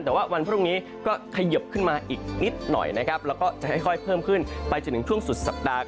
แต่ว่าวันพรุ่งนี้ก็เขยิบขึ้นมาอีกนิดหน่อยนะครับแล้วก็จะค่อยเพิ่มขึ้นไปจนถึงช่วงสุดสัปดาห์